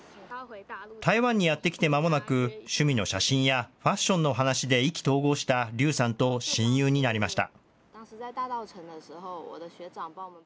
台湾にやって来てまもなく、趣味の写真やファッションの話で意気投合した劉さんと親友になりました。